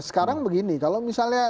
sekarang begini kalau misalnya